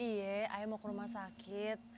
iya ayo mau ke rumah sakit